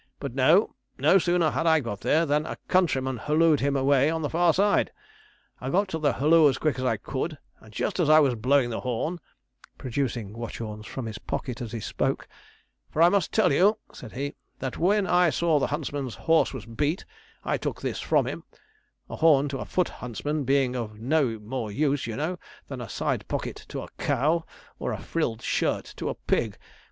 But no; no sooner had I got there than a countryman hallooed him away on the far side. I got to the halloo as quick as I could, and just as I was blowing the horn,' producing Watchorn's from his pocket as he spoke; 'for I must tell you,' said he, 'that when I saw the huntsman's horse was beat, I took this from him a horn to a foot huntsman being of no more use, you know, than a side pocket to a cow, or a frilled shirt to a pig.